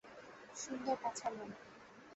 সুন্দর পাছার লোম।